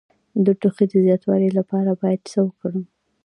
د ټوخي د زیاتوالي لپاره باید څه وکړم؟